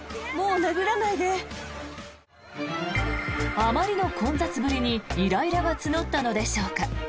あまりの混雑ぶりにイライラが募ったのでしょうか